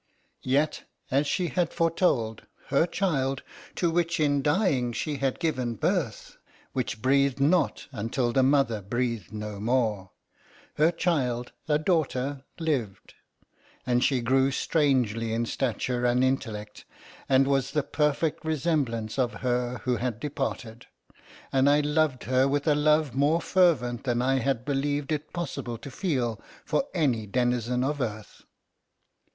Yet, as she had foretold, her child, to which in dying she had given birth, which breathed not until the mother breathed no more, her child, a daughter, lived. And she grew strangely in stature and intellect, and was the perfect resemblance of her who had departed, and I loved her with a love more fervent than I had believed it possible to feel for any denizen of earth.